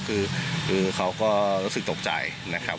คือเขาก็รู้สึกตกใจนะครับ